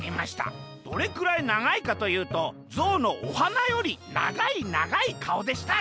どれくらいながいかというとぞうのおはなよりながいながいかおでした」。